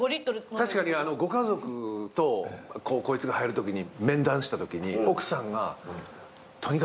確かにご家族とこいつが入るときに面談したときに奥さんが。